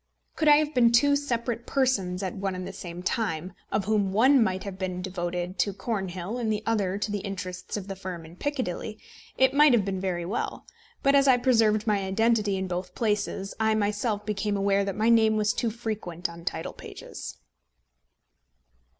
Could I have been two separate persons at one and the same time, of whom one might have been devoted to Cornhill and the other to the interests of the firm in Piccadilly, it might have been very well; but as I preserved my identity in both places, I myself became aware that my name was too frequent on title pages.